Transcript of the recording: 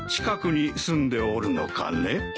近くに住んでおるのかね？